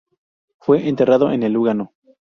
Fue enterrado en Lugano.